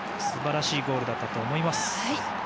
素晴らしいゴールだったと思います。